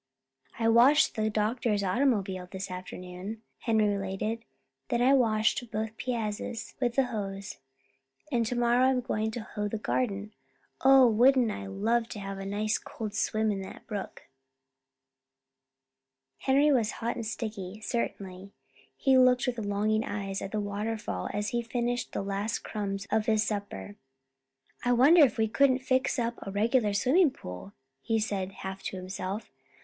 "I washed the doctor's automobile this afternoon," Henry related. "Then I washed both piazzas with the hose, and tomorrow I'm going to hoe in the garden. Oh, wouldn't I love to have a nice cold swim in that brook!" Henry was hot and sticky, certainly. He looked with longing eyes at the waterfall as he finished the last crumbs of his supper. "I wonder if we couldn't fix up a regular swimming pool," he said, half to himself.